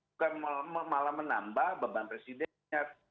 bukan malah menambah beban presidennya